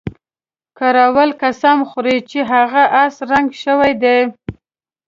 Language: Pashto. کراول قسم وخوړ چې هغه اس رنګ شوی دی.